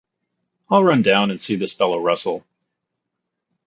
I'll run down and see this fellow Russell.